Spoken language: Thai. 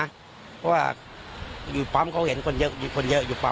เพราะว่าอยู่ปั๊มเขาเห็นคนเยอะอยู่ปั๊ม